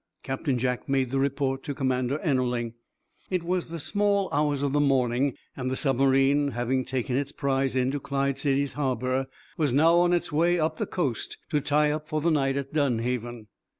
Captain Jack made the report to Commander Ennerling. It was in the small hours of the morning, and the submarine, having taken its prize in to Clyde City's harbor, was now on its way up the coast to tie up for the night at Dunhaven.